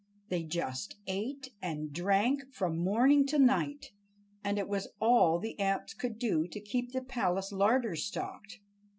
They just ate and drank from morning to night, and it was all the ants could do to keep the palace larder stocked.